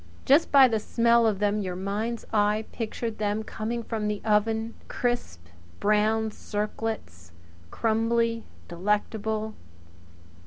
Just by the smell of them your mind's eye pictured them coming from the oven crisp brown circlets, crumbly, toothsome, delectable.